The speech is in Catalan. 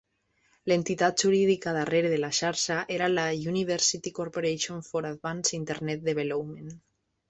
L'entitat jurídica darrere de la xarxa era la University Corporation for Advanced Internet Development.